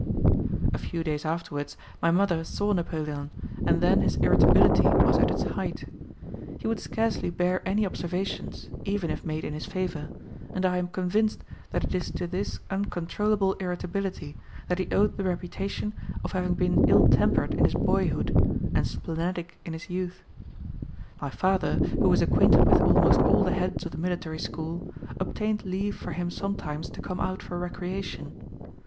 A few days afterwards my mother saw Napoleon, and then his irritability was at its height. He would scarcely bear any observations, even if made in his favour, and I am convinced that it is to this uncontrollable irritability that he owed the reputation of having been ill tempered in his boyhood, and splenetic in his youth. My father, who was acquainted with almost all the heads of the military school, obtained leave for him sometimes to come out for recreation.